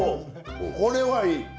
これはいい！